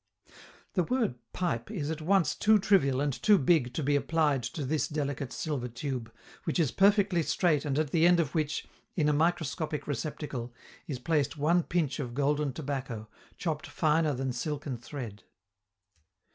The word "pipe" is at once too trivial and too big to be applied to this delicate silver tube, which is perfectly straight and at the end of which, in a microscopic receptacle, is placed one pinch of golden tobacco, chopped finer than silken thread.